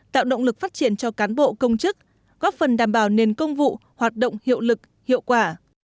tạo động lực phát triển cho cán bộ công chức góp phần đảm bảo nền công vụ hoạt động hiệu lực hiệu quả